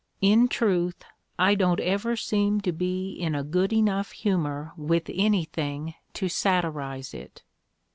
In truth, I don't ever seem to be in a good enough humor with anything to satirize it.